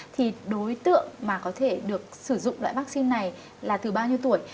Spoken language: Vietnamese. thì đối tượng mà có thể được sử dụng loại vắc xin này là từ bao nhiêu tuổi